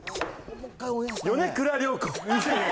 米倉涼子。